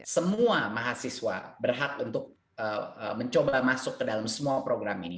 semua mahasiswa berhak untuk mencoba masuk ke dalam semua program ini